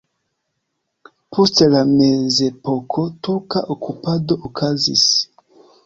Post la mezepoko turka okupado okazis.